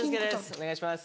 お願いします。